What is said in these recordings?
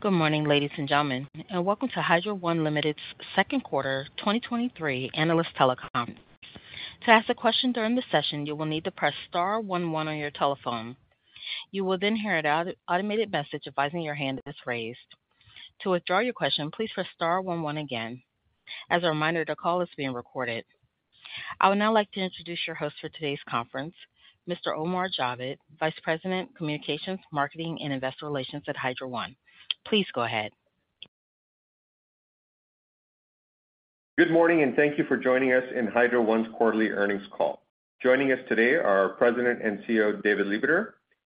Good morning, ladies and gentlemen, welcome to Hydro One Limited's 2023 analyst telecom. To ask a question during the session, you will need to press star one one on your telephone. You will then hear an automated message advising your hand is raised. To withdraw your question, please press star one one again. As a reminder, the call is being recorded. I would now like to introduce your host for today's conference, Mr. Omar Javed, Vice President, Communications, Marketing, and Investor Relations at Hydro One. Please go ahead. Good morning, and thank you for joining us in Hydro One's quarterly earnings call. Joining us today are our President and CEO, David Lebeter,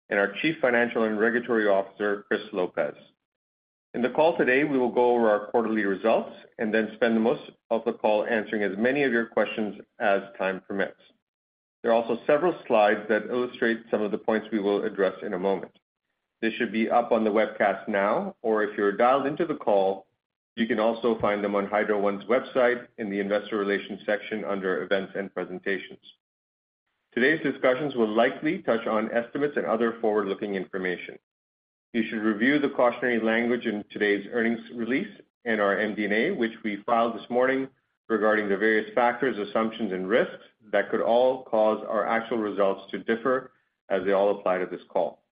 and our Chief Financial and Regulatory Officer, Chris Lopez. In the call today, we will go over our quarterly results and then spend the most of the call answering as many of your questions as time permits. There are also several slides that illustrate some of the points we will address in a moment. This should be up on the webcast now, or if you're dialed into the call, you can also find them on Hydro One's website in the Investor Relations section under Events and Presentations. Today's discussions will likely touch on estimates and other forward-looking information. You should review the cautionary language in today's earnings release and our MD&A, which we filed this morning, regarding the various factors, assumptions, and risks that could all cause our actual results to differ as they all apply to this call.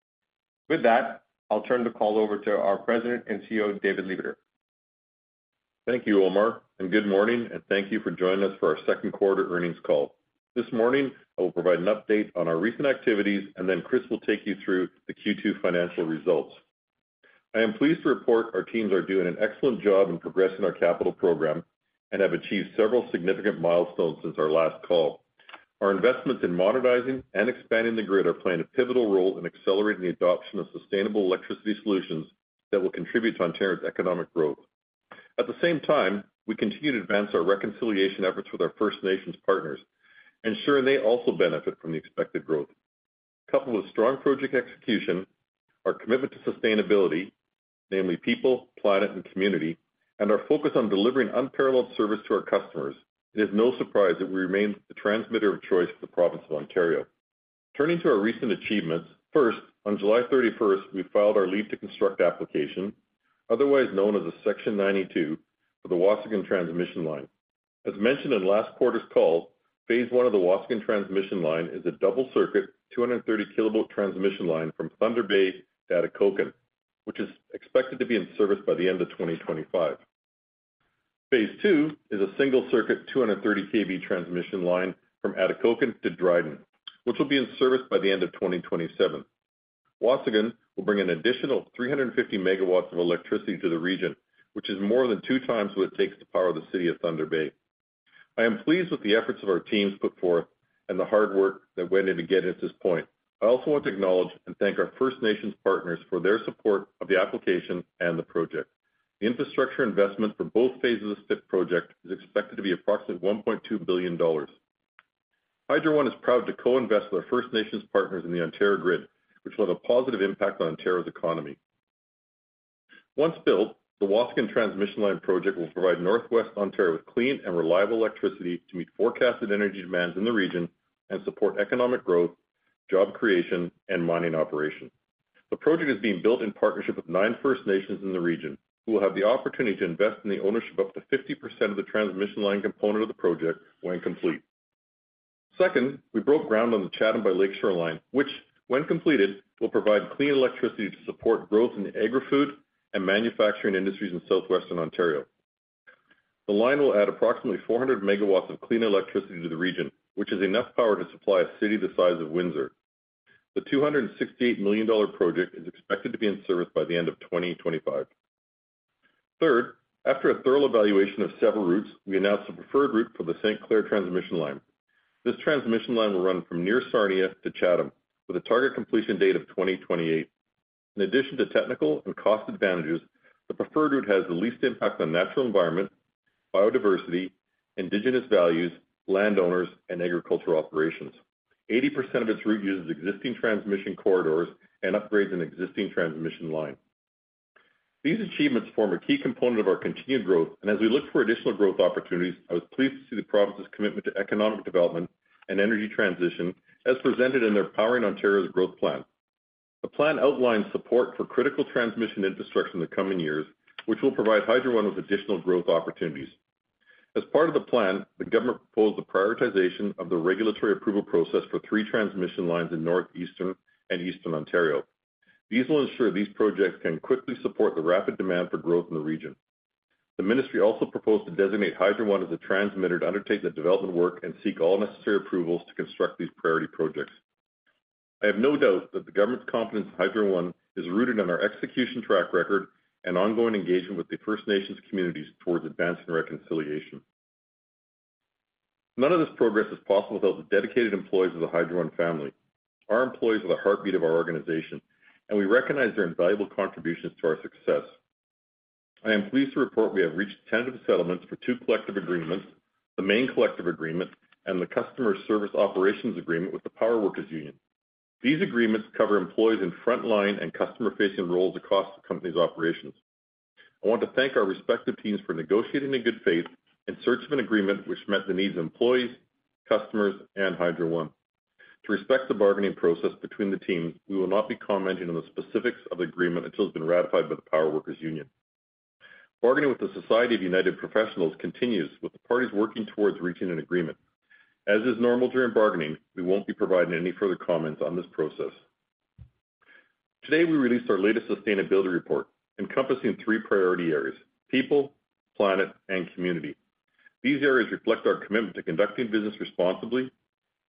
With that, I'll turn the call over to our President and CEO, David Lebeter. Thank you, Omar, good morning, and thank you for joining us for our earnings call. This morning, I will provide an update on our recent activities, then Chris will take you through the Q2 financial results. I am pleased to report our teams are doing an excellent job in progressing our capital program and have achieved several significant milestones since our last call. Our investments in modernizing and expanding the grid are playing a pivotal role in accelerating the adoption of sustainable electricity solutions that will contribute to Ontario's economic growth. At the same time, we continue to advance our reconciliation efforts with our First Nations partners, ensuring they also benefit from the expected growth. Coupled with strong project execution, our commitment to sustainability, namely people, planet, and community, and our focus on delivering unparalleled service to our customers, it is no surprise that we remain the transmitter of choice for the province of Ontario. Turning to our recent achievements. First, on July 31st, we filed our leave to construct application, otherwise known as the Section 92, for the Waasigan Transmission Line. As mentioned in last quarter's call, Phase 1 of the Waasigan Transmission Line is a double circuit, 230 kV transmission line from Thunder Bay to Atikokan, which is expected to be in service by the end of 2025. Phase 2 is a single circuit, 230 KV transmission line from Atikokan to Dryden, which will be in service by the end of 2027. Waasigan will bring an additional 350 MW of electricity to the region, which is more than 2 times what it takes to power the city of Thunder Bay. I am pleased with the efforts of our teams put forth and the hard work that went in to get us this point. I also want to acknowledge and thank our First Nations partners for their support of the application and the project. The infrastructure investment for both phases of this project is expected to be approximately 1.2 billion dollars. Hydro One is proud to co-invest with our First Nations partners in the Ontario Grid, which will have a positive impact on Ontario's economy. Once built, the Waasigan Transmission Line project will provide Northwest Ontario with clean and reliable electricity to meet forecasted energy demands in the region and support economic growth, job creation, and mining operations. The project is being built in partnership with 9 First Nations in the region, who will have the opportunity to invest in the ownership up to 50% of the transmission line component of the project when complete. Second, we broke ground on the Chatham to Lakeshore Line, which, when completed, will provide clean electricity to support growth in the agri-food and manufacturing industries in southwestern Ontario. The line will add approximately 400 megawatts of clean electricity to the region, which is enough power to supply a city the size of Windsor. The 268 million dollar project is expected to be in service by the end of 2025. Third, after a thorough evaluation of several routes, we announced the preferred route for the St. Clair Transmission Line. This transmission line will run from near Sarnia to Chatham, with a target completion date of 2028. In addition to technical and cost advantages, the preferred route has the least impact on natural environment, biodiversity, Indigenous values, landowners, and agricultural operations. 80% of its route uses existing transmission corridors and upgrades an existing transmission line. These achievements form a key component of our continued growth, and as we look for additional growth opportunities, I was pleased to see the province's commitment to economic development and energy transition as presented in their Powering Ontario's Growth plan. The plan outlines support for critical transmission infrastructure in the coming years, which will provide Hydro One with additional growth opportunities. As part of the plan, the government proposed the prioritization of the regulatory approval process for 3 transmission lines in northeastern and eastern Ontario. These will ensure these projects can quickly support the rapid demand for growth in the region. The ministry also proposed to designate Hydro One as a transmitter to undertake the development work and seek all necessary approvals to construct these priority projects. I have no doubt that the government's confidence in Hydro One is rooted in our execution track record and ongoing engagement with the First Nations communities towards advancing reconciliation. None of this progress is possible without the dedicated employees of the Hydro One family. Our employees are the heartbeat of our organization, and we recognize their invaluable contributions to our success. I am pleased to report we have reached tentative settlements for two collective agreements, the main collective agreement, and the Customer Service Operations Agreement with the Power Workers' Union. These agreements cover employees in frontline and customer-facing roles across the company's operations. I want to thank our respective teams for negotiating in good faith in search of an agreement which met the needs of employees, customers, and Hydro One. To respect the bargaining process between the teams, we will not be commenting on the specifics of the agreement until it's been ratified by the Power Workers' Union. Bargaining with the Society of United Professionals continues, with the parties working towards reaching an agreement. As is normal during bargaining, we won't be providing any further comments on this process. Today, we released our latest sustainability report, encompassing three priority areas: people, planet, and community. These areas reflect our commitment to conducting business responsibly,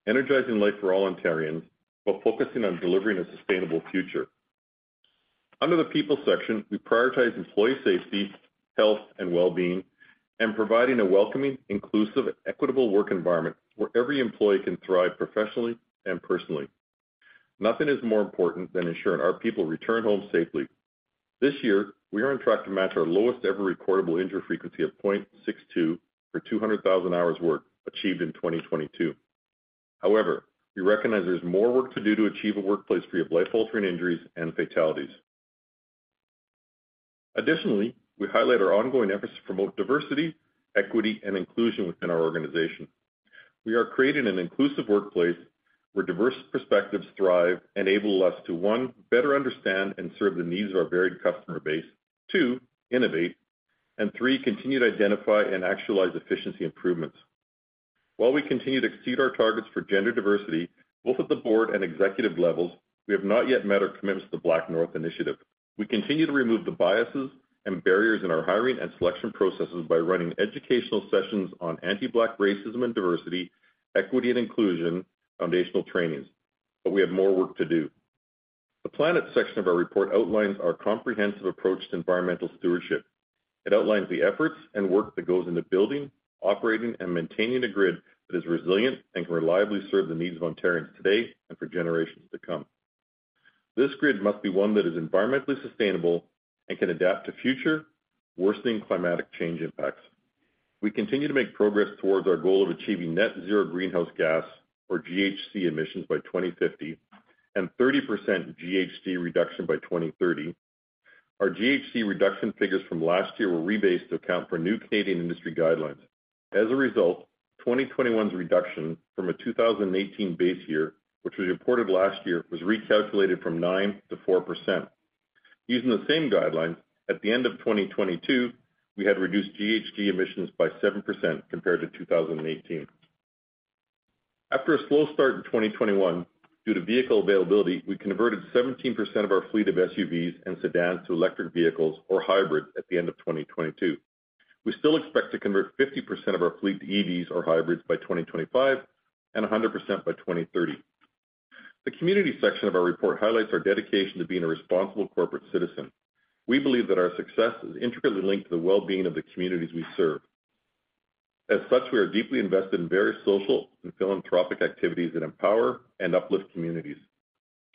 energizing life for all Ontarians, while focusing on delivering a sustainable future. Under the people section, we prioritize employee safety, health, and well-being, and providing a welcoming, inclusive, equitable work environment where every employee can thrive professionally and personally. Nothing is more important than ensuring our people return home safely. This year, we are on track to match our lowest-ever recordable injury frequency of 0.62 for 200,000 hours worked, achieved in 2022. However, we recognize there's more work to do to achieve a workplace free of life-altering injuries and fatalities. Additionally, we highlight our ongoing efforts to promote diversity, equity, and inclusion within our organization. We are creating an inclusive workplace where diverse perspectives thrive, enable us to, 1, better understand and serve the needs of our varied customer base, 2, innovate, and 3, continue to identify and actualize efficiency improvements. While we continue to exceed our targets for gender diversity, both at the board and executive levels, we have not yet met our commitments to the BlackNorth Initiative. We continue to remove the biases and barriers in our hiring and selection processes by running educational sessions on anti-Black racism and diversity, equity and inclusion, foundational trainings, but we have more work to do. The planet section of our report outlines our comprehensive approach to environmental stewardship. It outlines the efforts and work that goes into building, operating, and maintaining a grid that is resilient and can reliably serve the needs of Ontarians today and for generations to come. This grid must be one that is environmentally sustainable and can adapt to future worsening climatic change impacts. We continue to make progress towards our goal of achieving net zero greenhouse gas, or GHG, emissions by 2050 and 30% GHG reduction by 2030. Our GHG reduction figures from last year were rebased to account for new Canadian industry guidelines. As a result, 2021's reduction from a 2018 base year, which was reported last year, was recalculated from 9% to 4%. Using the same guidelines, at the end of 2022, we had reduced GHG emissions by 7% compared to 2018. After a slow start in 2021, due to vehicle availability, we converted 17% of our fleet of SUVs and sedans to electric vehicles or hybrids at the end of 2022. We still expect to convert 50% of our fleet to EVs or hybrids by 2025 and 100% by 2030. The community section of our report highlights our dedication to being a responsible corporate citizen. We believe that our success is intricately linked to the well-being of the communities we serve. As such, we are deeply invested in various social and philanthropic activities that empower and uplift communities.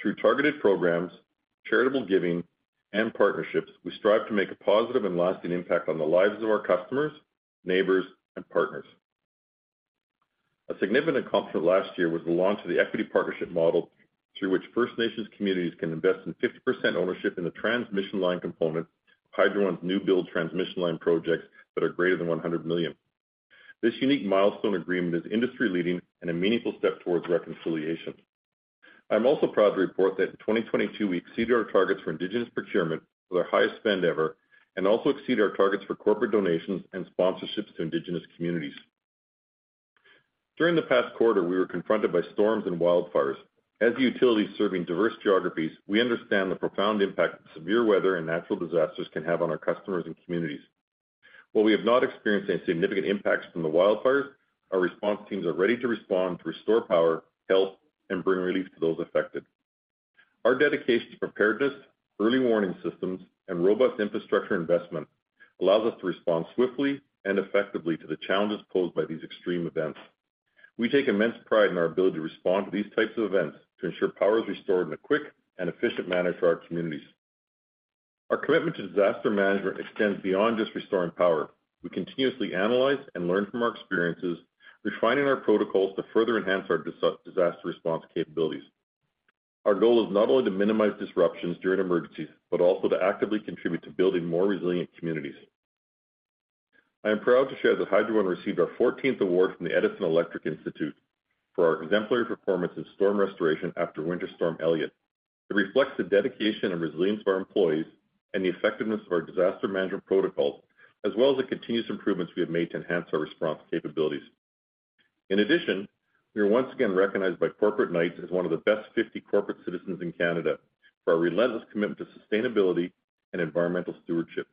Through targeted programs, charitable giving, and partnerships, we strive to make a positive and lasting impact on the lives of our customers, neighbors, and partners. A significant accomplishment last year was the launch of the equity partnership model, through which First Nations communities can invest in 50% ownership in the transmission line component of Hydro One's new build transmission line projects that are greater than 100 million. This unique milestone agreement is industry-leading and a meaningful step towards reconciliation. I'm also proud to report that in 2022, we exceeded our targets for Indigenous procurement with our highest spend ever, and also exceeded our targets for corporate donations and sponsorships to Indigenous communities. During the past quarter, we were confronted by storms and wildfires. As a utility serving diverse geographies, we understand the profound impact that severe weather and natural disasters can have on our customers and communities. While we have not experienced any significant impacts from the wildfires, our response teams are ready to respond to restore power, health, and bring relief to those affected. Our dedication to preparedness, early warning systems, and robust infrastructure investment allows us to respond swiftly and effectively to the challenges posed by these extreme events. We take immense pride in our ability to respond to these types of events to ensure power is restored in a quick and efficient manner to our communities. Our commitment to disaster management extends beyond just restoring power. We continuously analyze and learn from our experiences, refining our protocols to further enhance our disaster response capabilities. Our goal is not only to minimize disruptions during emergencies, but also to actively contribute to building more resilient communities. I am proud to share that Hydro One received our 14th award from the Edison Electric Institute for our exemplary performance in storm restoration after Winter Storm Elliott. It reflects the dedication and resilience of our employees and the effectiveness of our disaster management protocols, as well as the continuous improvements we have made to enhance our response capabilities. In addition, we are once again recognized by Corporate Knights as one of the best 50 corporate citizens in Canada for our relentless commitment to sustainability and environmental stewardship.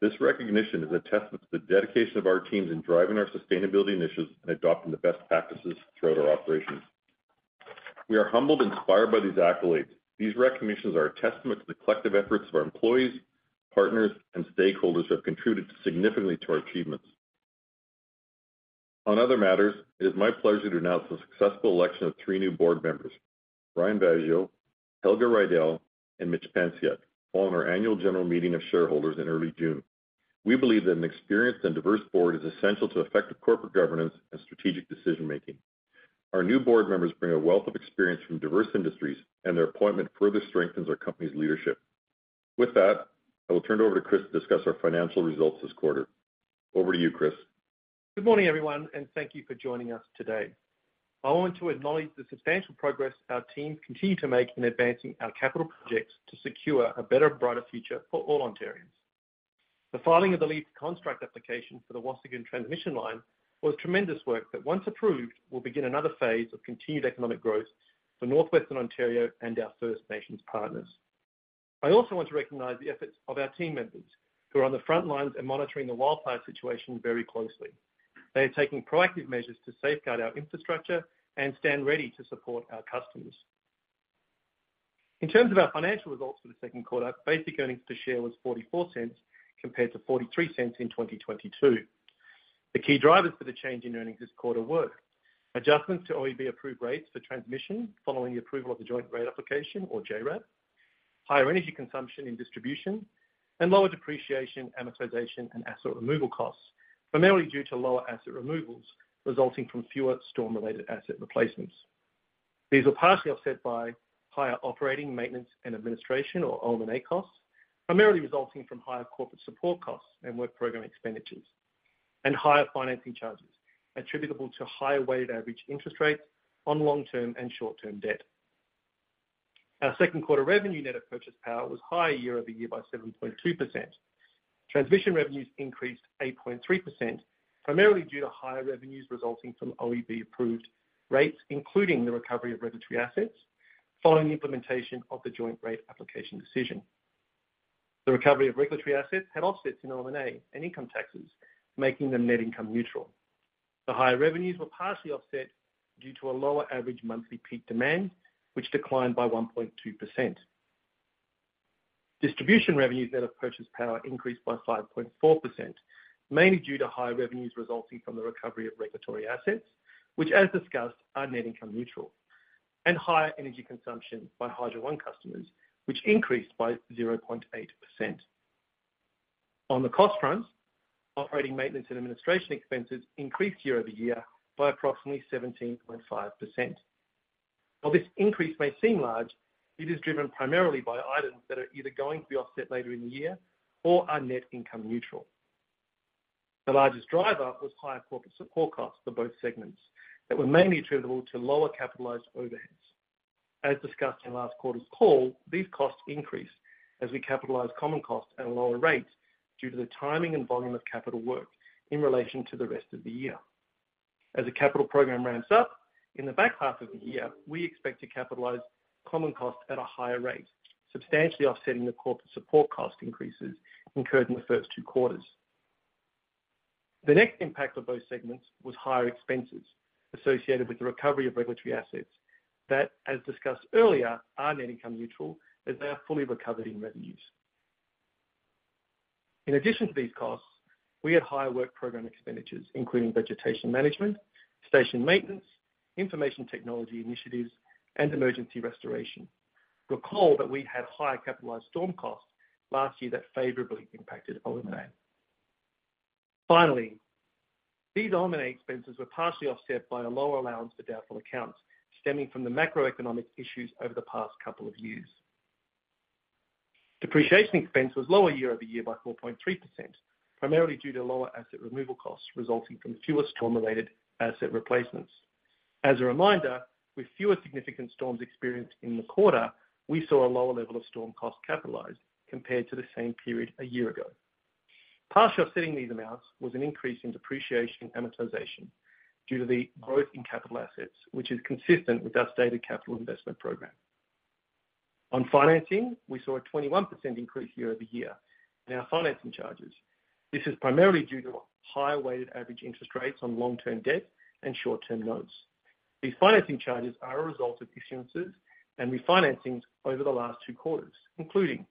This recognition is a testament to the dedication of our teams in driving our sustainability initiatives and adopting the best practices throughout our operations. We are humbled and inspired by these accolades. These recognitions are a testament to the collective efforts of our employees, partners, and stakeholders who have contributed significantly to our achievements. On other matters, it is my pleasure to announce the successful election of three new board members, Brian Vaasjo, Helga Reidel, and Mitch Panciuk, all in our annual general meeting of shareholders in early June. We believe that an experienced and diverse board is essential to effective corporate governance and strategic decision-making. Our new board members bring a wealth of experience from diverse industries, and their appointment further strengthens our company's leadership. With that, I will turn it over to Chris to discuss our financial results this quarter. Over to you, Chris. Good morning, everyone, and thank you for joining us today. I want to acknowledge the substantial progress our team continue to make in advancing our capital projects to secure a better, brighter future for all Ontarians. The filing of the leave to construct application for the Waasigan Transmission Line was tremendous work that, once approved, will begin another phase of continued economic growth for Northwestern Ontario and our First Nations partners. I also want to recognize the efforts of our team members who are on the front lines and monitoring the wildfire situation very closely. They are taking proactive measures to safeguard our infrastructure and stand ready to support our customers. In terms of our financial results for the Q2, basic earnings per share was 0.44 compared to 0.43 in 2022. The key drivers for the change in earnings this quarter were: adjustments to OEB approved rates for transmission following the approval of the joint rate application or JRAP, higher energy consumption in distribution, and lower depreciation, amortization, and asset removal costs, primarily due to lower asset removals resulting from fewer storm-related asset replacements. These were partially offset by higher operating, maintenance, and administration, or OM&A costs, primarily resulting from higher corporate support costs and work program expenditures and higher financing charges attributable to higher weighted average interest rates on long-term and short-term debt. Our Q2 revenue net of purchase power was higher year-over-year by 7.2%. Transmission revenues increased 8.3%, primarily due to higher revenues resulting from OEB-approved rates, including the recovery of regulatory assets following the implementation of the joint rate application decision. The recovery of regulatory assets had offsets in OM&A and income taxes, making them net income neutral. The higher revenues were partially offset due to a lower average monthly peak demand, which declined by 1.2%. Distribution revenues net of purchase power increased by 5.4%, mainly due to higher revenues resulting from the recovery of regulatory assets, which, as discussed, are net income neutral and higher energy consumption by Hydro One customers, which increased by 0.8%. On the cost front, operating, maintenance, and administration expenses increased year-over-year by approximately 17.5%. While this increase may seem large, it is driven primarily by items that are either going to be offset later in the year or are net income neutral. The largest driver was higher corporate support costs for both segments that were mainly attributable to lower capitalized overheads. As discussed in last quarter's call, these costs increase as we capitalize common costs at a lower rate due to the timing and volume of capital work in relation to the rest of the year. As the capital program ramps up in the back half of the year, we expect to capitalize common costs at a higher rate, substantially offsetting the corporate support cost increases incurred in the first two quarters. The next impact on both segments was higher expenses associated with the recovery of regulatory assets that, as discussed earlier, are net income neutral as they are fully recovered in revenues. In addition to these costs, we had higher work program expenditures, including vegetation management, station maintenance, information technology initiatives, and emergency restoration. Recall that we had higher capitalized storm costs last year that favorably impacted OM&A. Finally, these dominate expenses were partially offset by a lower allowance for doubtful accounts stemming from the macroeconomic issues over the past couple of years. Depreciation expense was lower year-over-year by 4.3%, primarily due to lower asset removal costs resulting from fewer storm-related asset replacements. As a reminder, with fewer significant storms experienced in the quarter, we saw a lower level of storm costs capitalized compared to the same period a year ago. Partially offsetting these amounts was an increase in depreciation and amortization due to the growth in capital assets, which is consistent with our stated capital investment program. Financing, we saw a 21% increase year-over-year in our financing charges. This is primarily due to higher weighted average interest rates on long-term debt and short-term notes. These financing charges are a result of issuances and refinancings over the last two quarters, including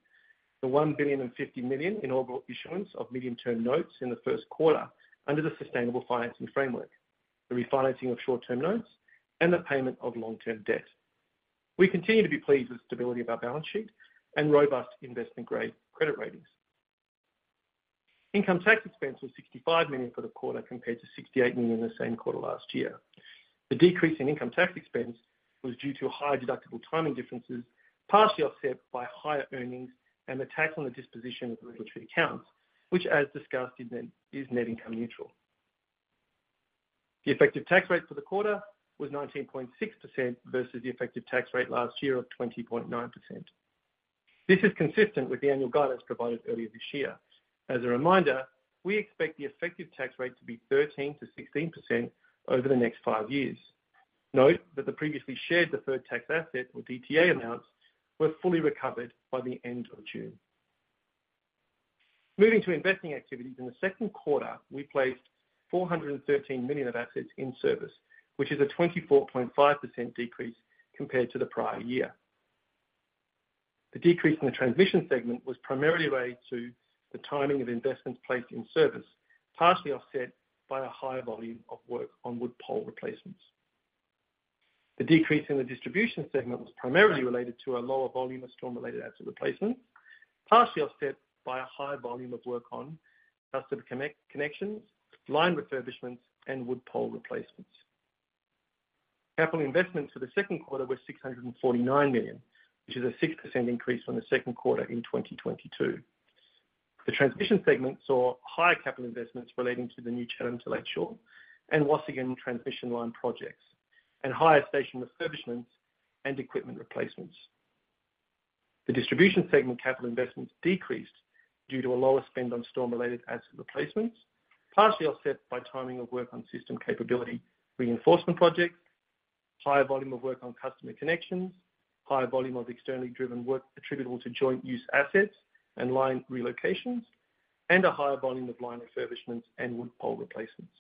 the $1.05 billion in inaugural issuance of Medium Term Notes in the Q1 under the Sustainable Financing Framework, the refinancing of short-term notes, and the payment of long-term debt. We continue to be pleased with the stability of our balance sheet and robust investment-grade credit ratings. Income tax expense was $65 million for the quarter, compared to $68 million in the same quarter last year. The decrease in income tax expense was due to higher deductible timing differences, partially offset by higher earnings and the tax on the disposition of the regulatory accounts, which, as discussed, is net income neutral. The effective tax rate for the quarter was 19.6% versus the effective tax rate last year of 20.9%. This is consistent with the annual guidance provided earlier this year. As a reminder, we expect the effective tax rate to be 13%-16% over the next 5 years. Note that the previously shared deferred tax asset, or DTA amounts, were fully recovered by the end of June. Moving to investing activities, in the Q2, we placed 413 million of assets in service, which is a 24.5% decrease compared to the prior year. The decrease in the transmission segment was primarily related to the timing of investments placed in service, partially offset by a higher volume of work on wood pole replacements. The decrease in the distribution segment was primarily related to a lower volume of storm-related asset replacements, partially offset by a higher volume of work on customer connections, line refurbishments, and wood pole replacements. Capital investments for the Q2 were 649 million, which is a 6% increase from the Q2 in 2022. The transmission segment saw higher capital investments relating to the new Chatham to Lakeshore and Waasigan transmission line projects, and higher station refurbishments and equipment replacements. The distribution segment capital investments decreased due to a lower spend on storm-related asset replacements, partially offset by timing of work on system capability reinforcement projects, higher volume of work on customer connections, higher volume of externally driven work attributable to joint use assets and line relocations, and a higher volume of line refurbishments and wood pole replacements.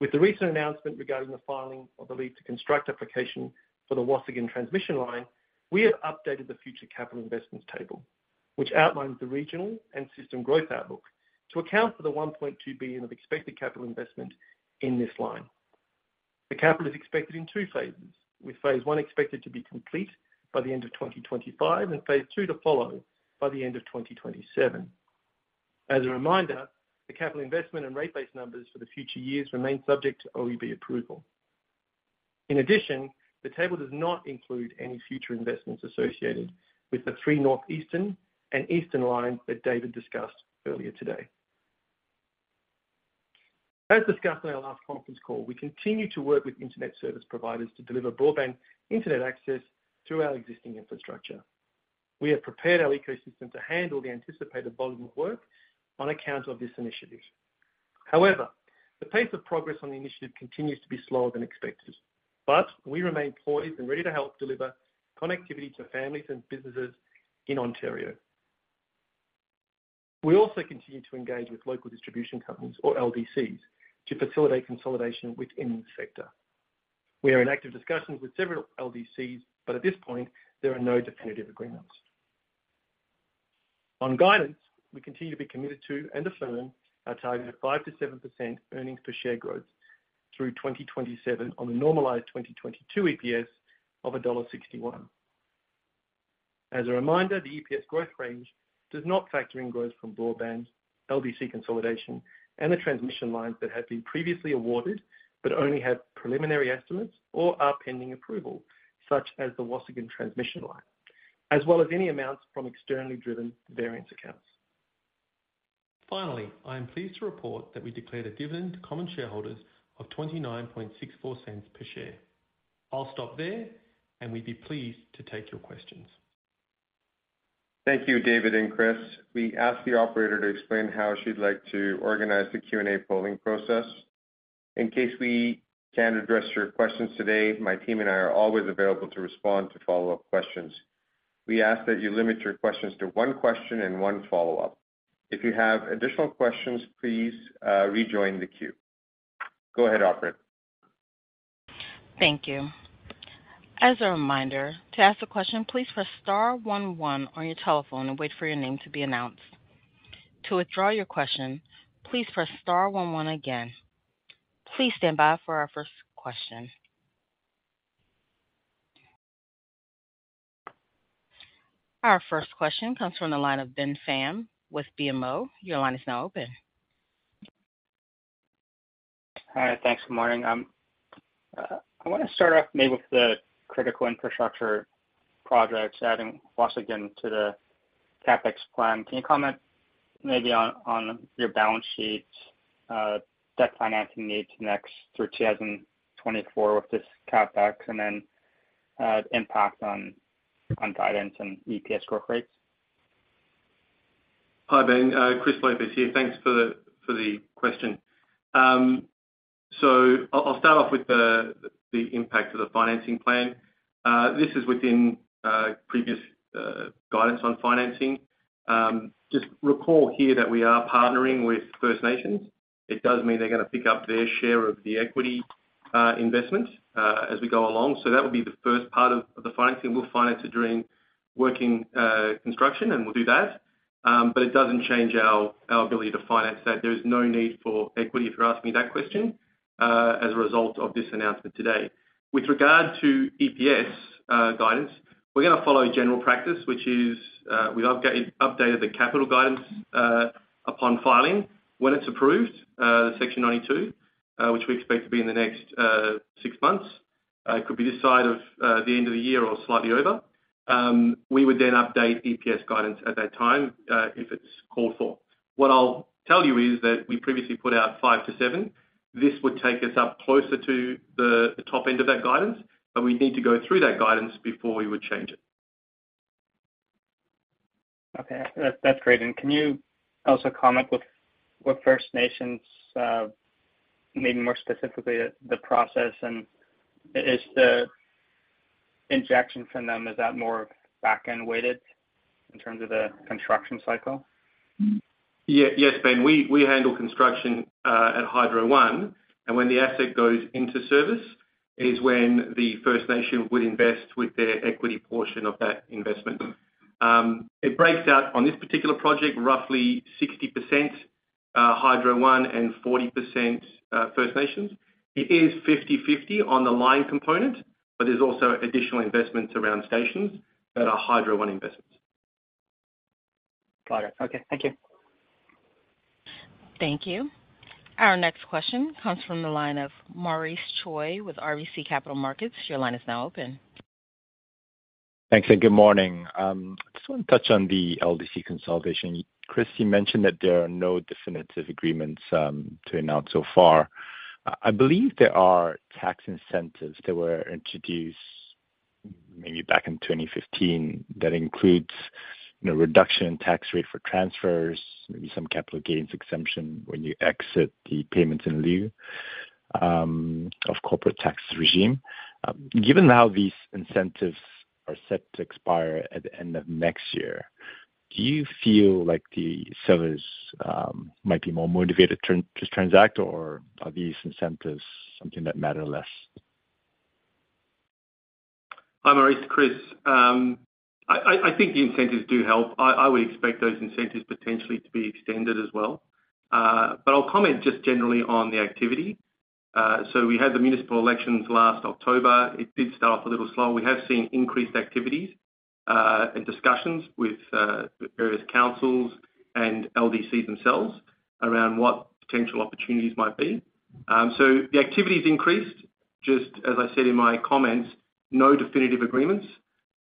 With the recent announcement regarding the filing of the leave to construct application for the Waasigan Transmission Line, we have updated the future capital investments table, which outlines the regional and system growth outlook to account for 1.2 billion of expected capital investment in this line. The capital is expected in two phases, with phase one expected to be complete by the end of 2025 and phase two to follow by the end of 2027. As a reminder, the capital investment and rate base numbers for the future years remain subject to OEB approval. The table does not include any future investments associated with the three northeastern and eastern lines that David discussed earlier today. As discussed on our last conference call, we continue to work with internet service providers to deliver broadband internet access through our existing infrastructure. We have prepared our ecosystem to handle the anticipated volume of work on account of this initiative. The pace of progress on the initiative continues to be slower than expected, but we remain poised and ready to help deliver connectivity to families and businesses in Ontario. We also continue to engage with Local Distribution Companies or LDCs to facilitate consolidation within the sector. We are in active discussions with several LDCs, but at this point, there are no definitive agreements. Guidance, we continue to be committed to and affirm our target of 5%-7% earnings per share growth through 2027 on the normalized 2022 EPS of CAD 1.61. As a reminder, the EPS growth range does not factor in growth from broadband, LDC consolidation, and the transmission lines that have been previously awarded, but only have preliminary estimates or are pending approval, such as the Waasigan Transmission Line, as well as any amounts from externally driven variance accounts. Finally, I am pleased to report that we declared a dividend to common shareholders of 0.2964 per share. I'll stop there. We'd be pleased to take your questions. Thank you, David and Chris. We ask the operator to explain how she'd like to organize the Q&A polling process. In case we can't address your questions today, my team and I are always available to respond to follow-up questions. We ask that you limit your questions to one question and one follow-up. If you have additional questions, please rejoin the queue. Go ahead, operator. Thank you. As a reminder, to ask a question, please press star one one on your telephone and wait for your name to be announced. To withdraw your question, please press star one one again. Please stand by for our first question. Our first question comes from the line of Ben Pham with BMO. Your line is now open. Hi, thanks. Good morning. I want to start off maybe with the critical infrastructure projects, adding Waasigan to the CapEx plan. Can you comment maybe on, on your balance sheet, debt financing needs next through 2024 with this CapEx, and then, impact on, on guidance and EPS growth rates? Hi, Ben. Chris Lopez here. Thanks for the, for the question. I'll start off with the, the impact of the financing plan. This is within previous guidance on financing. Just recall here that we are partnering with First Nations. It does mean they're going to pick up their share of the equity investment as we go along. That would be the first part of the financing. We'll finance it during working construction, and we'll do that. It doesn't change our ability to finance that. There is no need for equity, if you're asking me that question, as a result of this announcement today. With regard to EPS guidance, we're going to follow general practice, which is, we'll update the capital guidance upon filing. When it's approved, the Section 92, which we expect to be in the next 6 months, it could be this side of the end of the year or slightly over, we would then update EPS guidance at that time, if it's called for. What I'll tell you is that we previously put out 5-7. This would take us up closer to the top end of that guidance. We'd need to go through that guidance before we would change it. Okay. That's great. Can you also comment with what First Nations, maybe more specifically, the process and is the injection from them, is that more back-end weighted in terms of the construction cycle? Yes, Ben. We, we handle construction at Hydro One, and when the asset goes into service is when the First Nation would invest with their equity portion of that investment. It breaks out on this particular project, roughly 60% Hydro One and 40% First Nations. It is 50/50 on the line component, but there's also additional investments around stations that are Hydro One investments. Got it. Okay, thank you. Thank you. Our next question comes from the line of Maurice Choy with RBC Capital Markets. Your line is now open. Thanks, good morning. I just want to touch on the LDC consolidation. Chris, you mentioned that there are no definitive agreements to announce so far. I believe there are tax incentives that were introduced maybe back in 2015, that includes, you know, reduction in tax rate for transfers, maybe some capital gains exemption when you exit the payments in lieu of corporate tax regime. Given how these incentives are set to expire at the end of next year, do you feel like the sellers might be more motivated to transact, or are these incentives something that matter less? Hi, Maurice. Chris, I think the incentives do help. I would expect those incentives potentially to be extended as well. I'll comment just generally on the activity. We had the municipal elections last October. It did start off a little slow. We have seen increased activity, and discussions with the various councils and LDCs themselves around what potential opportunities might be. The activity has increased, just as I said in my comments, no definitive agreements.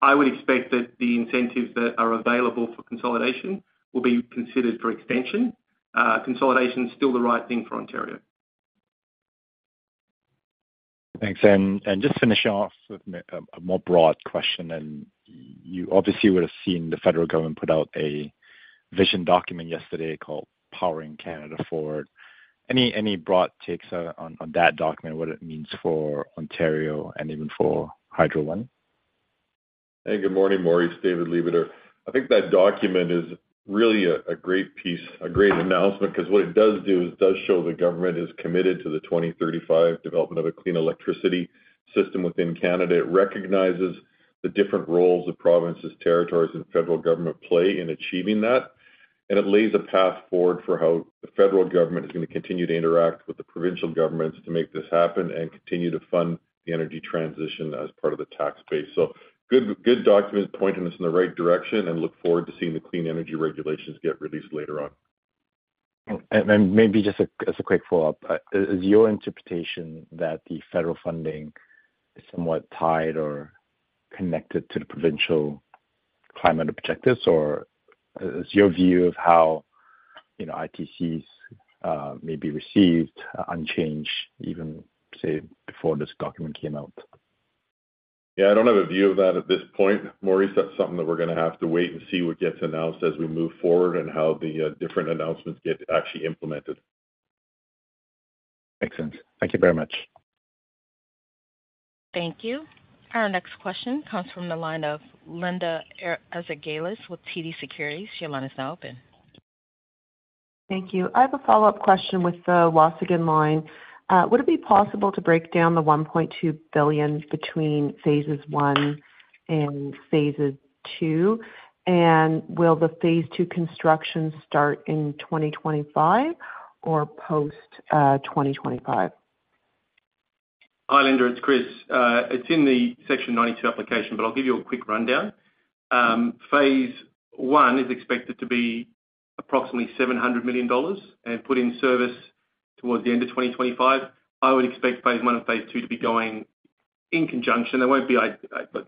I would expect that the incentives that are available for consolidation will be considered for extension. Consolidation is still the right thing for Ontario. Thanks. Just finishing off with a more broad question, and you obviously would have seen the federal government put out a vision document yesterday called Powering Canada Forward. Any broad takes on that document, what it means for Ontario and even for Hydro One? Hey, good morning, Maurice. David Lebeter. I think that document is really a great piece, a great announcement, because what it does do is does show the government is committed to the 2035 development of a clean electricity system within Canada. It recognizes the different roles the provinces, territories, and federal government play in achieving that. It lays a path forward for how the federal government is going to continue to interact with the provincial governments to make this happen and continue to fund the energy transition as part of the tax base. Good, good document, pointing us in the right direction and look forward to seeing the Clean Electricity Regulations get released later on. Maybe just a, as a quick follow-up. Is, is your interpretation that the federal funding is somewhat tied or connected to the provincial climate objectives? Or is your view of how, you know, ITCs, may be received unchanged, even, say, before this document came out? I don't have a view of that at this point. Maurice, that's something that we're going to have to wait and see what gets announced as we move forward and how the different announcements get actually implemented. Makes sense. Thank you very much. Thank you. Our next question comes from the line of Linda Ezergailis with TD Securities. Your line is now open. Thank you. I have a follow-up question with the Waasigan Line. Would it be possible to break down the 1.2 billion between phases one and phases two? Will the phase two construction start in 2025 or post 2025? Hi, Linda, it's Chris. It's in the Section 92 application, but I'll give you a quick rundown. Phase one is expected to be approximately 700 million dollars and put in service towards the end of 2025. I would expect phase one and phase two to be going in conjunction. They won't be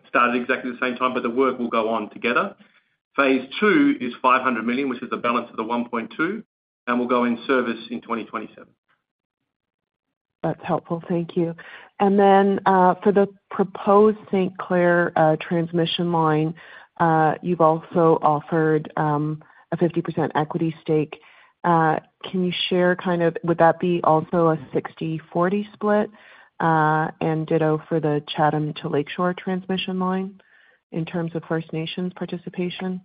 started exactly the same time, but the work will go on together. Phase two is 500 million, which is the balance of the 1.2 billion, and will go in service in 2027. That's helpful. Thank you. Then, for the proposed St. Clair Transmission Line, you've also offered a 50% equity stake. Can you share. Would that be also a 60/40 split? Ditto for the Chatham to Lakeshore transmission line in terms of First Nations participation.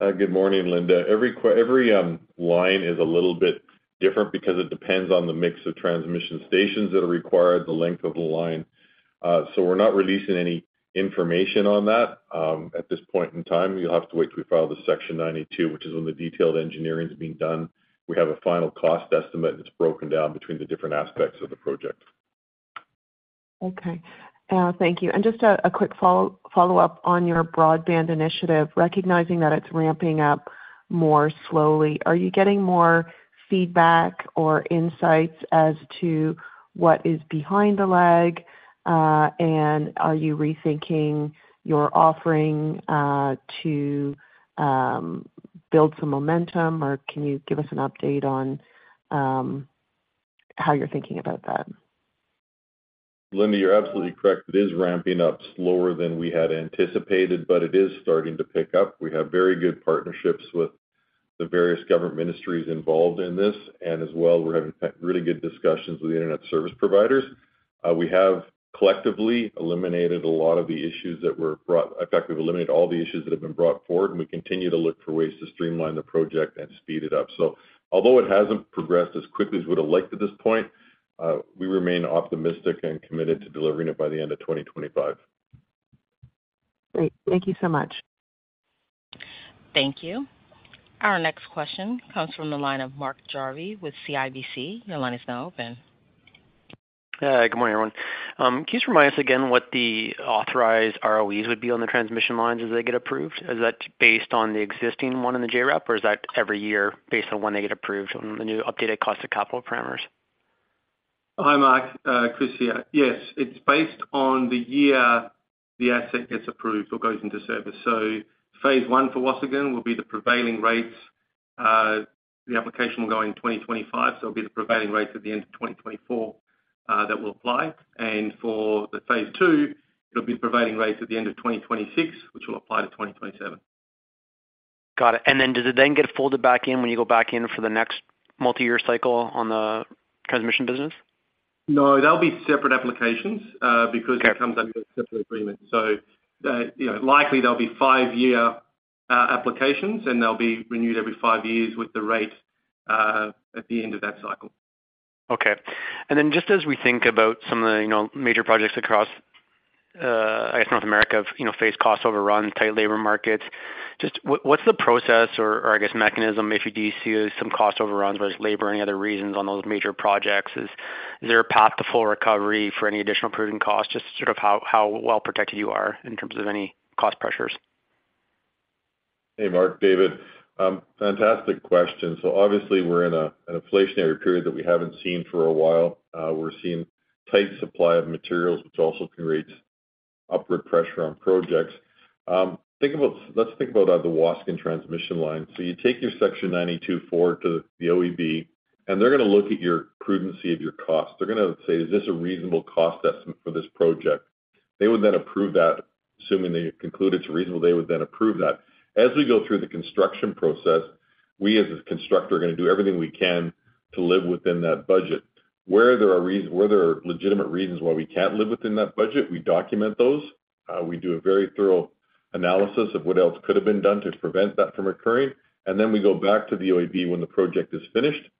Good morning, Linda. Every every line is a little bit different because it depends on the mix of transmission stations that are required, the length of the line. We're not releasing any information on that. At this point in time, you'll have to wait till we file the Section 92, which is when the detailed engineering is being done. We have a final cost estimate, it's broken down between the different aspects of the project. Okay. Thank you. Just a quick follow-up on your broadband initiative, recognizing that it's ramping up more slowly. Are you getting more feedback or insights as to what is behind the lag? Are you rethinking your offering to build some momentum, or can you give us an update on how you're thinking about that? Linda, you're absolutely correct. It is ramping up slower than we had anticipated, but it is starting to pick up. We have very good partnerships with the various government ministries involved in this, and as well, we're having really good discussions with the internet service providers. We have collectively eliminated all the issues that have been brought forward, and we continue to look for ways to streamline the project and speed it up. Although it hasn't progressed as quickly as we'd have liked at this point, we remain optimistic and committed to delivering it by the end of 2025. Great. Thank you so much. Thank you. Our next question comes from the line of Mark Jarvi with CIBC. Your line is now open. Good morning, everyone. Can you just remind us again what the authorized ROEs would be on the transmission lines as they get approved? Is that based on the existing one in the JRAP? Is that every year based on when they get approved on the new updated cost of capital parameters? Hi, Mark. Chris here. Yes, it's based on the year the asset gets approved or goes into service. Phase one for Waasigan will be the prevailing rates. The application will go in 2025, so it'll be the prevailing rates at the end of 2024, that will apply. For the phase two, it'll be prevailing rates at the end of 2026, which will apply to 2027. Got it. Then does it then get folded back in when you go back in for the next multi-year cycle on the transmission business? No, they'll be separate applications. Okay. It comes under a separate agreement. You know, likely they'll be 5-year applications, and they'll be renewed every 5 years with the rate at the end of that cycle. Okay. Just as we think about some of the, you know, major projects across, I guess, North America, you know, face cost overruns, tight labor markets, just what, what's the process or, or I guess, mechanism if you do see some cost overruns versus labor or any other reasons on those major projects? Is there a path to full recovery for any additional prudent costs? Just sort of how, how well protected you are in terms of any cost pressures? Hey, Mark, David. Fantastic question. Obviously, we're in an inflationary period that we haven't seen for a while. We're seeing tight supply of materials, which also can create upward pressure on projects. Think about-- Let's think about the Waasigan Transmission Line. You take your Section 92 4 to the OEB, and they're gonna look at your prudency of your cost. They're gonna say: Is this a reasonable cost estimate for this project? They would then approve that. Assuming they conclude it's reasonable, they would then approve that. As we go through the construction process, we, as a constructor, are gonna do everything we can to live within that budget. Where there are legitimate reasons why we can't live within that budget, we document those. We do a very thorough analysis of what else could have been done to prevent that from occurring. We go back to the OEB when the project is finished,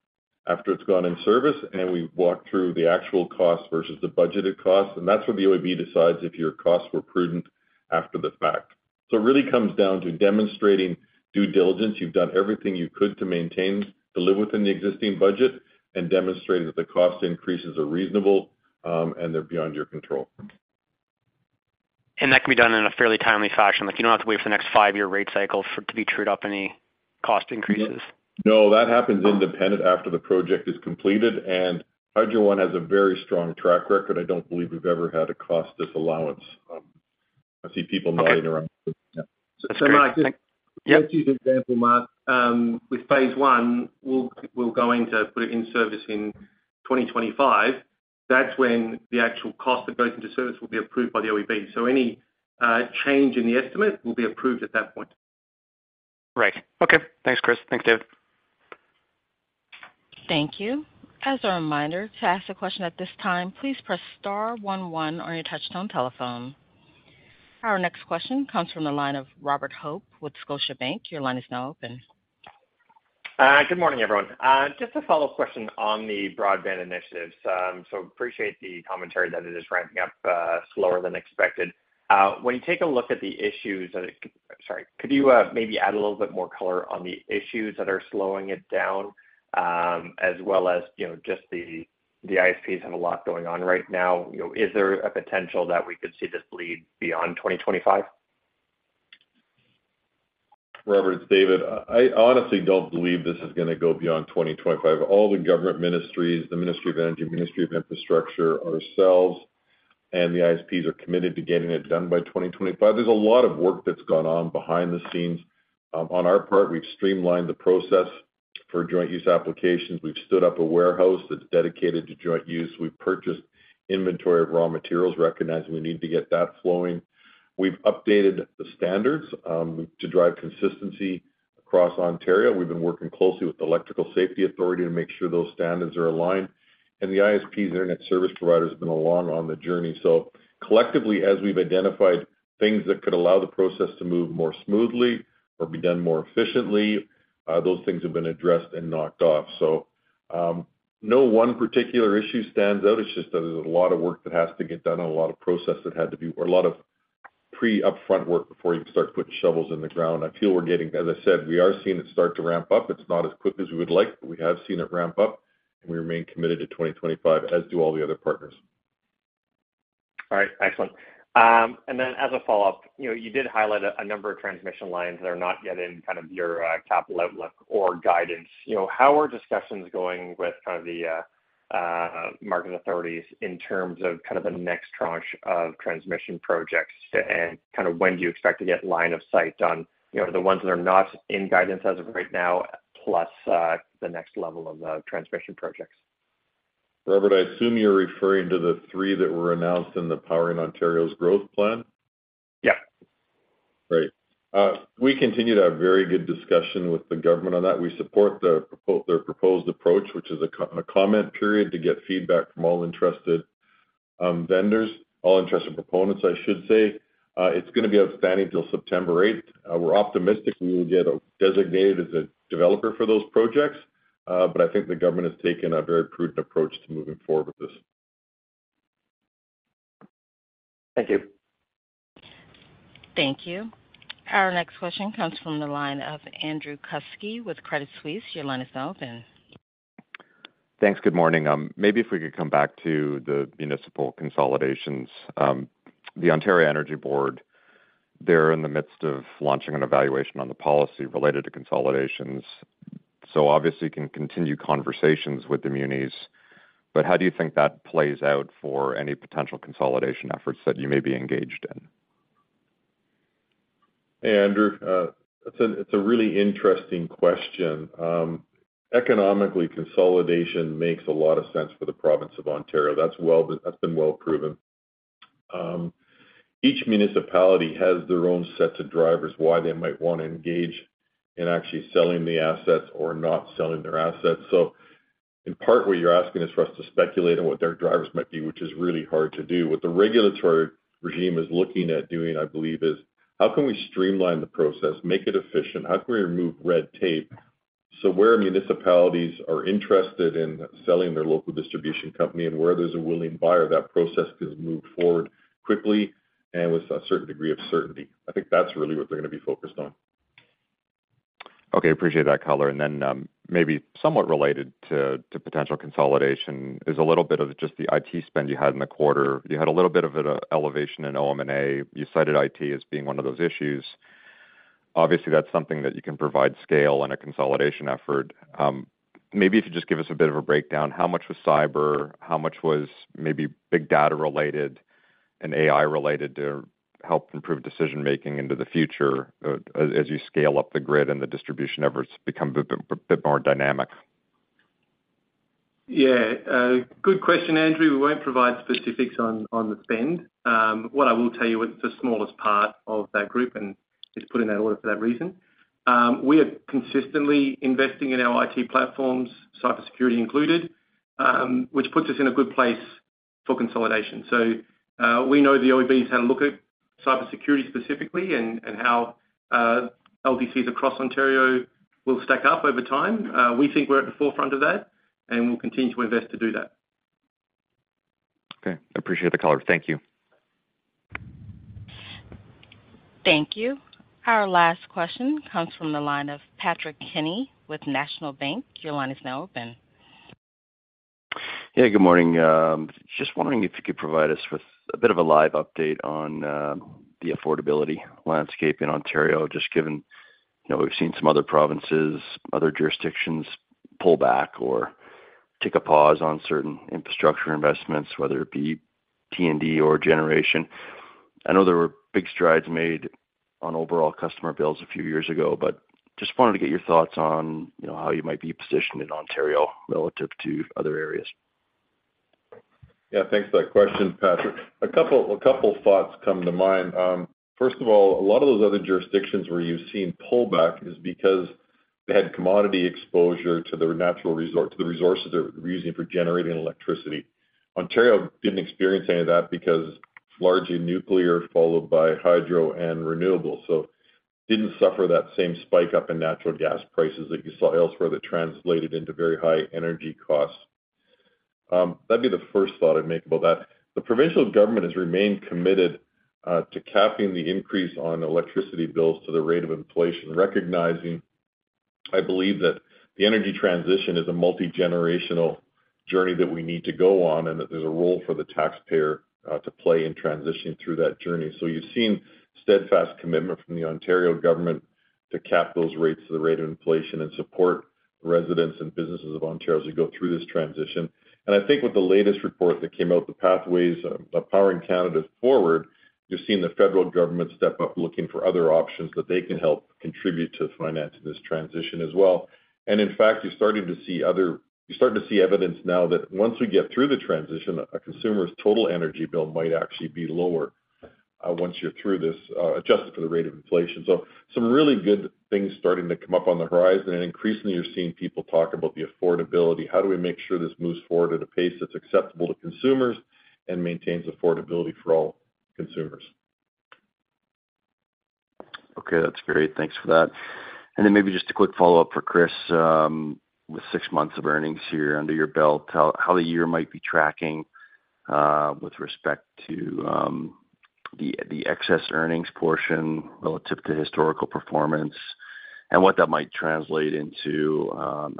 after it's gone in service, and we walk through the actual cost versus the budgeted cost. That's when the OEB decides if your costs were prudent after the fact. It really comes down to demonstrating due diligence. You've done everything you could to maintain, to live within the existing budget and demonstrate that the cost increases are reasonable, and they're beyond your control. That can be done in a fairly timely fashion. Like, you don't have to wait for the next five-year rate cycle for, to be trued up any cost increases? No, that happens independent after the project is completed. Hydro One has a very strong track record. I don't believe we've ever had a cost disallowance. I see people nodding around. Mark- Yes. Let's use an example, Mark. With phase one, we'll, we'll go in to put it in service in 2025. That's when the actual cost that goes into service will be approved by the OEB. Any change in the estimate will be approved at that point. Right. Okay. Thanks, Chris. Thanks, David. Thank you. As a reminder, to ask a question at this time, please press star 11 on your touchtone telephone. Our next question comes from the line of Robert Hope with Scotiabank. Your line is now open. Good morning, everyone. Just a follow-up question on the broadband initiatives. So appreciate the commentary that it is ramping up, slower than expected. When you take a look at the issues that Sorry, could you maybe add a little bit more color on the issues that are slowing it down, as well as, you know, just the ISPs have a lot going on right now. You know, is there a potential that we could see this bleed beyond 2025? Robert, it's David. I, I honestly don't believe this is gonna go beyond 2025. All the government ministries, the Ministry of Energy, Ministry of Infrastructure, ourselves, and the ISPs are committed to getting it done by 2025. There's a lot of work that's gone on behind the scenes. On our part, we've streamlined the process for joint use applications. We've stood up a warehouse that's dedicated to joint use. We've purchased inventory of raw materials, recognizing we need to get that flowing. We've updated the standards to drive consistency across Ontario. We've been working closely with Electrical Safety Authority to make sure those standards are aligned. The ISPs, Internet Service Providers, have been along on the journey. Collectively, as we've identified things that could allow the process to move more smoothly or be done more efficiently, those things have been addressed and knocked off. No one particular issue stands out. It's just that there's a lot of work that has to get done and a lot of process that had to be, or a lot of pre-upfront work before you start putting shovels in the ground. I feel we're getting. As I said, we are seeing it start to ramp up. It's not as quick as we would like, but we have seen it ramp up, and we remain committed to 2025, as do all the other partners. All right, excellent. As a follow-up, you know, you did highlight a number of transmission lines that are not yet in kind of your capital outlook or guidance. You know, how are discussions going with kind of the market authorities in terms of kind of the next tranche of transmission projects? When do you expect to get line of sight on, you know, the ones that are not in guidance as of right now, plus the next level of transmission projects? Robert, I assume you're referring to the 3 that were announced in the Powering Ontario's Growth plan? Yeah. Great. We continue to have very good discussion with the government on that. We support their proposed approach, which is a comment period to get feedback from all interested vendors, all interested proponents, I should say. It's gonna be outstanding until September eighth. We're optimistic we will get designated as a developer for those projects, but I think the government has taken a very prudent approach to moving forward with this. Thank you. Thank you. Our next question comes from the line of Andrew Kuske with Credit Suisse. Your line is now open. Thanks. Good morning. Maybe if we could come back to the municipal consolidations. The Ontario Energy Board, they're in the midst of launching an evaluation on the policy related to consolidations. Obviously, you can continue conversations with the munis, but how do you think that plays out for any potential consolidation efforts that you may be engaged in? Hey, Andrew, it's a, it's a really interesting question. Economically, consolidation makes a lot of sense for the province of Ontario. That's been well proven. Each municipality has their own set of drivers, why they might want to engage in actually selling the assets or not selling their assets. In part, what you're asking is for us to speculate on what their drivers might be, which is really hard to do. What the regulatory regime is looking at doing, I believe, is: How can we streamline the process, make it efficient? How can we remove red tape? Where municipalities are interested in selling their local distribution company and where there's a willing buyer, that process gets moved forward quickly and with a certain degree of certainty. I think that's really what they're going to be focused on. Okay, appreciate that color. Then, maybe somewhat related to potential consolidation is a little bit of just the IT spend you had in the quarter. You had a little bit of an elevation in OM&A. You cited IT as being one of those issues. Obviously, that's something that you can provide scale in a consolidation effort. Maybe if you just give us a bit of a breakdown, how much was cyber? How much was maybe big data related and AI related to help improve decision making into the future, as you scale up the grid and the distribution efforts become a bit more dynamic? Good question, Andrew. We won't provide specifics on the spend. What I will tell you, it's the smallest part of that group and it's put in that order for that reason. We are consistently investing in our IT platforms, cybersecurity included, which puts us in a good place for consolidation. We know the OEB has had a look at cybersecurity specifically and how LDCs across Ontario will stack up over time. We think we're at the forefront of that, and we'll continue to invest to do that. Okay, I appreciate the color. Thank you. Thank you. Our last question comes from the line of Patrick Kenny with National Bank. Your line is now open. Good morning. Just wondering if you could provide us with a bit of a live update on the affordability landscape in Ontario, just given, you know, we've seen some other provinces, other jurisdictions pull back or take a pause on certain infrastructure investments, whether it be T&D or generation. I know there were big strides made on overall customer bills a few years ago. Just wanted to get your thoughts on, you know, how you might be positioned in Ontario relative to other areas. Thanks for that question, Patrick. A couple, a couple thoughts come to mind. First of all, a lot of those other jurisdictions where you've seen pullback is because they had commodity exposure to their natural resources, to the resources they're using for generating electricity. Ontario didn't experience any of that because it's largely nuclear, followed by hydro and renewables, so didn't suffer that same spike up in natural gas prices that you saw elsewhere that translated into very high energy costs. That'd be the first thought I'd make about that. The provincial government has remained committed to capping the increase on electricity bills to the rate of inflation, recognizing, I believe, that the energy transition is a multigenerational journey that we need to go on, and that there's a role for the taxpayer to play in transitioning through that journey. You've seen steadfast commitment from the Ontario government to cap those rates to the rate of inflation and support residents and businesses of Ontario as we go through this transition. I think with the latest report that came out, the Pathways to Powering Canada Forward, you're seeing the federal government step up, looking for other options that they can help contribute to financing this transition as well. In fact, you're starting to see evidence now that once we get through the transition, a consumer's total energy bill might actually be lower, once you're through this, adjusted for the rate of inflation. Some really good things starting to come up on the horizon. Increasingly, you're seeing people talk about the affordability. How do we make sure this moves forward at a pace that's acceptable to consumers and maintains affordability for all consumers? Okay, that's great. Thanks for that. Maybe just a quick follow-up for Chris. With six months of earnings here under your belt, how, how the year might be tracking with respect to the excess earnings portion relative to historical performance, and what that might translate into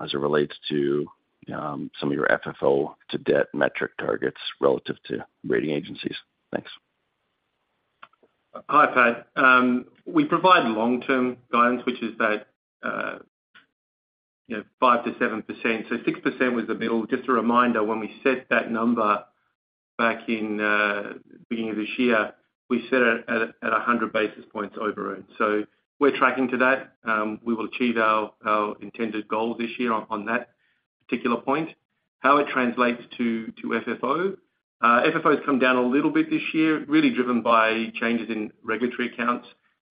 as it relates to some of your FFO to debt metric targets relative to rating agencies? Thanks. Hi, Pat. We provide long-term guidance, which is that, you know, 5%-7%. So 6% was the bill. Just a reminder, when we set that number back in, beginning of this year, we set it at a, at 100 basis points over it. So we're tracking to that. We will achieve our, our intended goal this year on, on that particular point. How it translates to, to FFO? FFO has come down a little bit this year, really driven by changes in regulatory accounts.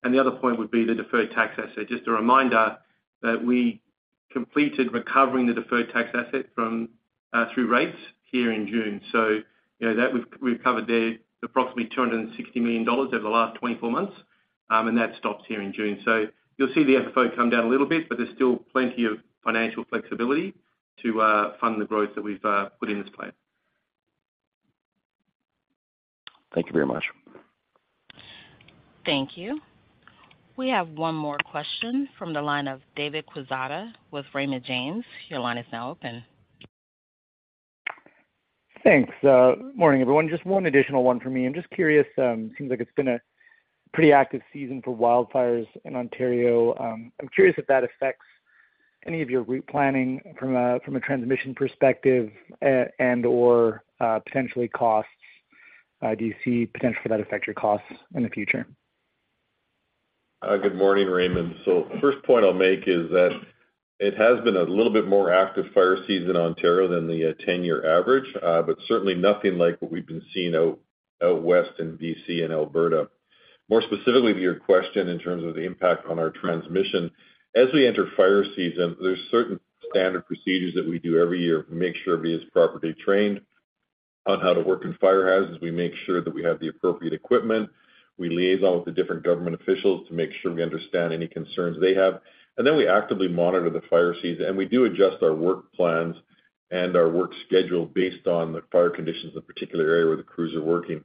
The other point would be the deferred tax asset. Just a reminder that we completed recovering the deferred tax asset from, through rates here in June. So you know that we've, we've covered the approximately $260 million over the last 24 months That stops here in June. You'll see the FFO come down a little bit, but there's still plenty of financial flexibility to fund the growth that we've put in this plan. Thank you very much. Thank you. We have one more question from the line of David Quezada with Raymond James. Your line is now open. Thanks. Morning, everyone. Just one additional one for me. I'm just curious, it seems like it's been a pretty active season for wildfires in Ontario. I'm curious if that affects any of your route planning from a, from a transmission perspective and, or, potentially costs. Do you see potential for that to affect your costs in the future? Good morning, Raymond. First point I'll make is that it has been a little bit more active fire season in Ontario than the 10-year average, but certainly nothing like what we've been seeing out, out west in BC and Alberta. More specifically to your question, in terms of the impact on our transmission, as we enter fire season, there's certain standard procedures that we do every year. We make sure everybody is properly trained on how to work in fire hazards. We make sure that we have the appropriate equipment. We liaison with the different government officials to make sure we understand any concerns they have. We actively monitor the fire season, and we do adjust our work plans and our work schedule based on the fire conditions in the particular area where the crews are working.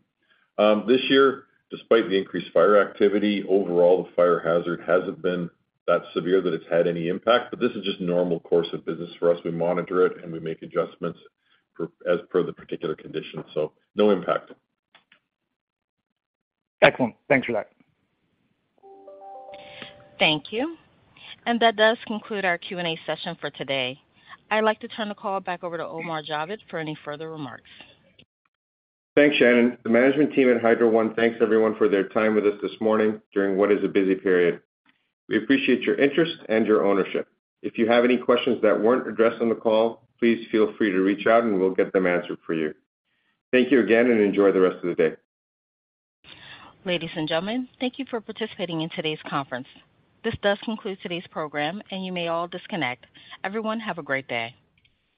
This year, despite the increased fire activity, overall, the fire hazard hasn't been that severe that it's had any impact, but this is just normal course of business for us. We monitor it, and we make adjustments for, as per the particular conditions. No impact. Excellent. Thanks for that. Thank you. That does conclude our Q&A session for today. I'd like to turn the call back over to Omar Javed for any further remarks. Thanks, Shannon. The management team at Hydro One thanks everyone for their time with us this morning during what is a busy period. We appreciate your interest and your ownership. If you have any questions that weren't addressed on the call, please feel free to reach out, and we'll get them answered for you. Thank you again, and enjoy the rest of the day. Ladies and gentlemen, thank you for participating in today's conference. This does conclude today's program. You may all disconnect. Everyone, have a great day.